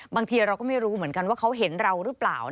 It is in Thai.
บางทีเราก็ไม่รู้เหมือนกันว่าเขาเห็นเราหรือเปล่า